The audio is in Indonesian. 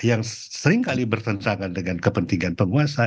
yang sering kali bertentangan dengan kepentingan penguasa